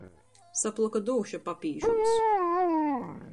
Saploka dūša papīžūs.